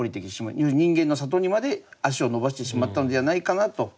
いわゆる人間の里にまで足を延ばしてしまったのではないかなと。